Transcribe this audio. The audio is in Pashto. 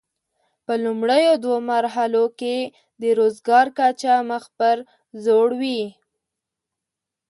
په لومړیو دوو مرحلو کې د روزګار کچه مخ پر ځوړ وي.